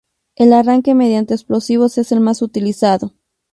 El arranque mediante explosivos es el más utilizado.